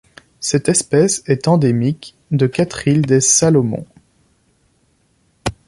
Cette espèce est endémique de quatre îles des Salomon.